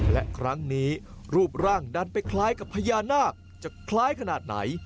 และครั้งนี้รูปร่างดันไปคล้ายกับพญานาคจะคล้ายขนาดไหน